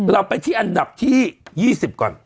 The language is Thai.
เราไปที่อันดับที่๒๐ก่อน